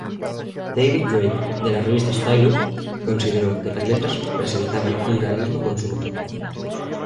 David Drake de la revista "Stylus", consideró que las letras presentaban un "realismo consumado".